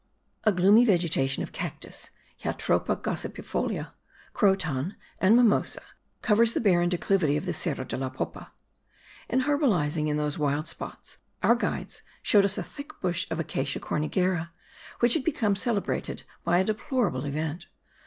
A gloomy vegetation of cactus, Jatropha gossypifolia, croton and mimosa covers the barren declivity of Cerro de la Popa. In herbalizing in those wild spots, our guides showed us a thick bush of Acacia cornigera, which had become celebrated by a deplorable event.